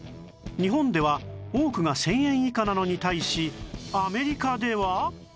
日本では多くが１０００円以下なのに対しアメリカでは